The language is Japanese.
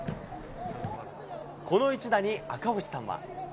この一打に赤星さんは。